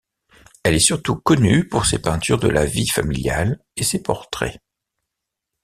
Elle est surtout connue pour ses peintures de la vie familiale et ses portraits.